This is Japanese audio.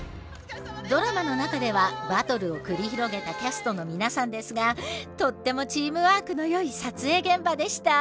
ドラマの中ではバトルを繰り広げたキャストの皆さんですがとってもチームワークのよい撮影現場でした。